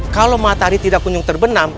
kalau matahari tidak kunjung terbenam